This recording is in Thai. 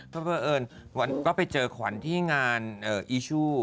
พระเบอินวันนี้ก็ไปเจอขวัญที่งานอีชู